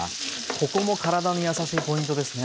ここも体にやさしいポイントですね。